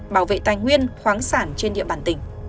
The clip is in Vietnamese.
bảo vệ tài nguyên khoáng sản trên địa bàn tỉnh